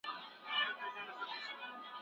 هغه په پنځلس کلنۍ کې ځان پاچا اعلان کړی و.